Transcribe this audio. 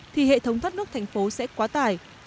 thì hệ thống thoát nước thành phố sẽ quá tải